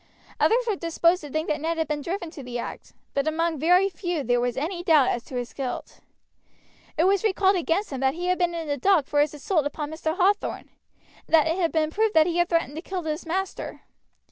Others were disposed to think that Ned had been driven to the act; but among very few was there any doubt as to his guilt. It was recalled against him that he had before been in the dock for his assault upon Mr. Hathorn, and that it had been proved that he had threatened to kill his master.